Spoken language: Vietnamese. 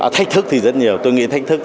thách thức thì rất nhiều tôi nghĩ thách thức